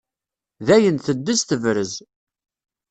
Dayen teddez tebrez.